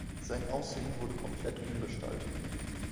Sein Aussehen wurde komplett umgestaltet.